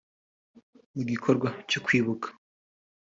Mu gikorwa cyo kwibuka